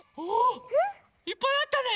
いっぱいあったね！